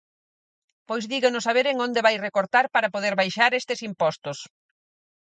Pois díganos a ver en onde vai recortar para poder baixar estes impostos.